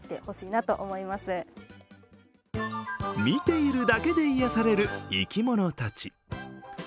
見ているだけで癒やされる生き物たち。